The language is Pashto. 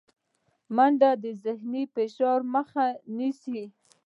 منډه د ذهني فشار مخه نیسي